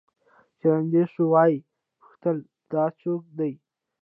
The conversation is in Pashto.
چې رانژدې سوه ويې پوښتل دا څوك دى؟